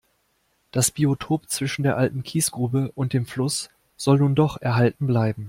Das Biotop zwischen der alten Kiesgrube und dem Fluss soll nun doch erhalten bleiben.